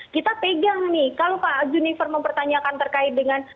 kita pegang nih kalau pak juniper mempertanyakan terkait dengan